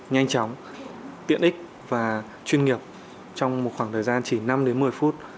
nhanh chóng tiện ích và chuyên nghiệp trong một khoảng thời gian chỉ năm đến một mươi phút